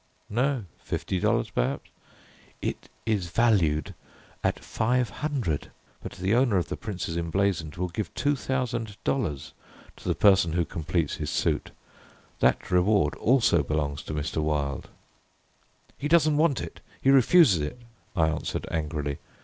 "No, fifty dollars, perhaps." "It is valued at five hundred, but the owner of the 'Prince's Emblazoned' will give two thousand dollars to the person who completes his suit; that reward also belongs to Mr. Wilde." "He doesn't want it! He refuses it!" I answered angrily.